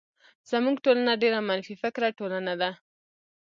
زمونږ ټولنه ډيره منفی فکره ټولنه ده.